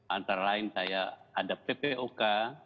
antara lain saya ada ppok